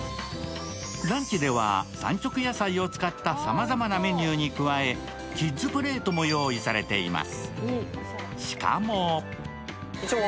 ランチでは産直野菜を使ったさまざまなメニューに加えキッズプレートも用意されています。